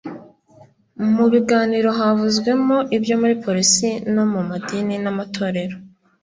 mu biganiro havuzwemo ibyo muri polisi no mu madini n’amatorero